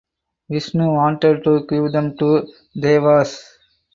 Vishnu wanted to give them to devas.